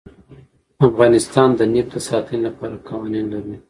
افغانستان د نفت د ساتنې لپاره قوانین لري.